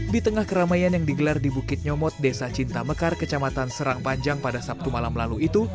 di tengah keramaian yang digelar di bukit nyomot desa cinta mekar kecamatan serang panjang pada sabtu malam lalu itu